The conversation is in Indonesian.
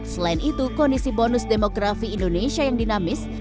selain itu kondisi bonus demografi indonesia yang dinamis